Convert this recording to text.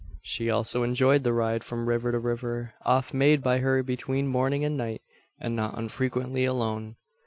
She also enjoyed the ride from river to river oft made by her between morning and night, and not unfrequently alone!